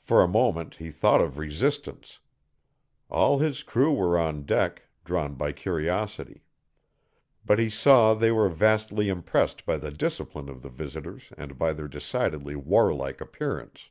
For a moment he thought of resistance. All his crew were on deck, drawn by curiosity. But he saw they were vastly impressed by the discipline of the visitors and by their decidedly warlike appearance.